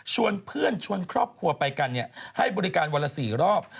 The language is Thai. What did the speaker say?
เพื่อนชวนครอบครัวไปกันให้บริการวันละ๔รอบ